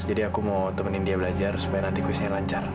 jadi aku mau temenin dia belajar supaya nanti kuisnya lanjut